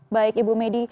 baik ibu medi